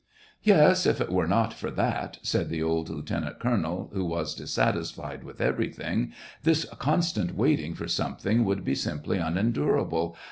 " Yes, if it were not for that," said the old lieutenant colonel, who was dissatisfied with everything, " this constant waiting for some thing would be simply unendurable